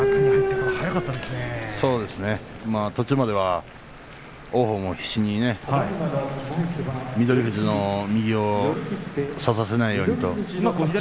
途中までは、王鵬も必死に翠富士に右を差させないようにと。